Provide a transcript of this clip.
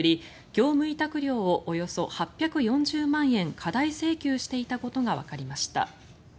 業務委託料をおよそ８４０万円過大請求していたことがわかりました。